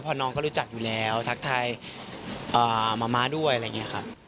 เพราะน้องก็รู้จักอยู่แล้วทักทายมะม้าด้วยอะไรอย่างนี้ครับ